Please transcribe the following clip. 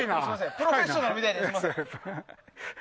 「プロフェッショナル」みたいで、すみません。